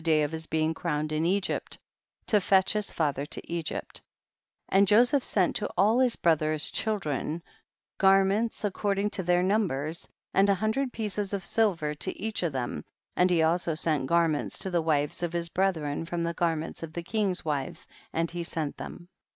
day of his being crowned in Egypt, to fetch his father to Egypt ; and Jo seph sent to all his brothers' children, garments according to their numbers, and a hundred pieces of silver to each of them, and he also sent garments to the wives of his brethren from the garments of the king's wives, and he sent them.